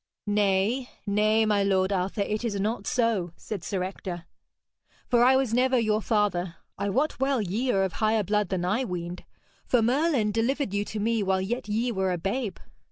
'Nay, nay, my lord Arthur, it is not so,' said Sir Ector, 'for I was never your father. I wot well ye are of higher blood than I weened. For Merlin delivered you to me while yet ye were a babe.'